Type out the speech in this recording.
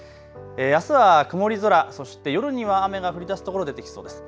あすは曇り空、そして夜には雨が降りだす所、出てきそうです。